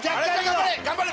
頑張れ。